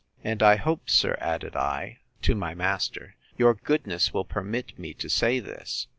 And I hope, sir, added I, to my master, your goodness will permit me to say this.